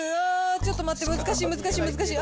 ちょっと待って、難しい、難しい、難しい！